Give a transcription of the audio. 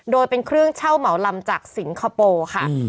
โดยเป็นเครื่องเช่าเหมาลำจากสิงคโปร์ค่ะ